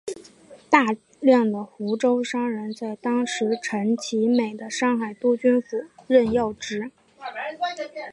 大量的湖州商人在当时陈其美的上海督军府任要职。